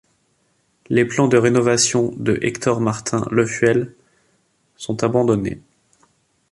Les plans de rénovation de Hector-Martin Lefuel sont abandonnés.